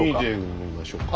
見てみましょうか。